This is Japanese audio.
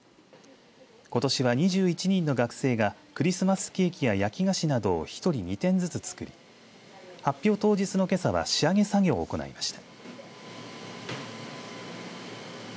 ことしは２１人の学生がクリスマスケーキや焼き菓子などを１人２点ずつ作り発表当日のけさは仕上げ作業を行いました。